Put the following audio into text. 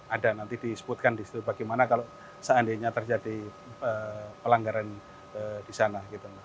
ada nanti disebutkan di situ bagaimana kalau seandainya terjadi pelanggaran di sana